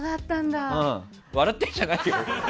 笑ってんじゃないよ！